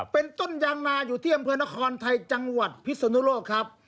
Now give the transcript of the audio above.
เป็นต้นยางนาอยู่ที่อำเภอนครไทยจังหวัดพิศนุโลกครับ